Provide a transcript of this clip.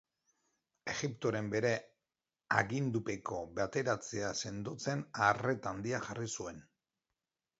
Egiptoren bere agindupeko bateratzea sendotzen arreta handia jarri zuen.